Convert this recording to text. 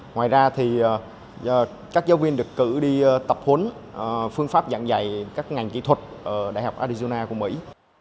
ngoài ra thì các giáo viên được cử đi tập huấn phương pháp giảng dạy các ngành kỹ thuật ở đại học arizona của mỹ